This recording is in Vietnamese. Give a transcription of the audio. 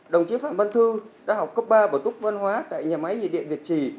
đồng chí phạm văn thư đã học cấp ba bổ túc văn hóa tại nhà máy nhiệt điện việt trì